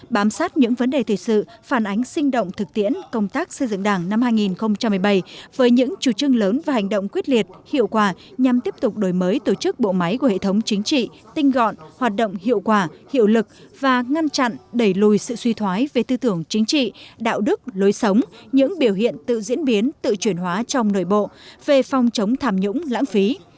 bám sát những vấn đề thực sự phản ánh sinh động thực tiễn công tác xây dựng đảng năm hai nghìn một mươi bảy với những chủ trưng lớn và hành động quyết liệt hiệu quả nhằm tiếp tục đổi mới tổ chức bộ máy của hệ thống chính trị tinh gọn hoạt động hiệu quả hiệu lực và ngăn chặn đẩy lùi sự suy thoái về tư tưởng chính trị đạo đức lối sống những biểu hiện tự diễn biến tự chuyển hóa trong nội bộ về phong chống tham nhũng lãng phí